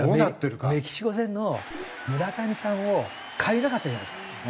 メキシコ戦の村上さんを代えなかったじゃないですか。